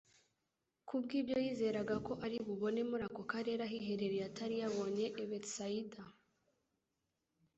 Kubw'ibyo yizeraga ko ari bubone muri ako karere ahiherereye atari yabonye i Betsaida.